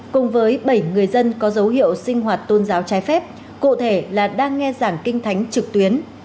cùng với bảy người dân có dấu hiệu sinh hoạt tôn giáo trái phép cụ thể là đang nghe giảng kinh thánh trực tuyến